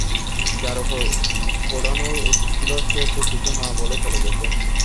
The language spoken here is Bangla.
যার উপর উড়ানোর উচিত ছিল সে তো কিছু না বলেই চলে গেছে।